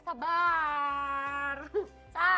ya ampun sabar